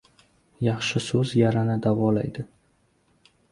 • Yaxshi so‘z yarani davolaydi.